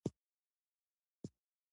هغه د ملي ټولپوښتنې غوښتنه کړې.